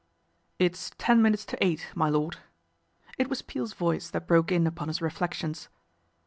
" It's ten minutes to eight, my lord." It was Peel's voice that broke in upon his re flections.